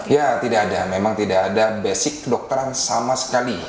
ya tidak ada memang tidak ada basic kedokteran sama sekali